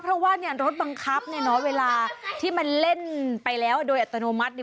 เพราะว่ารถบังคับเวลาที่มันเล่นไปแล้วโดยอัตโนมัติ